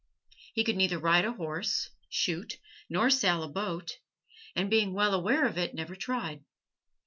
He could neither ride a horse, shoot, nor sail a boat and being well aware of it, never tried.